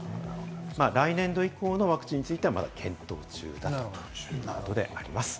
来年度以降のワクチンついては、まだ検討中だということであります。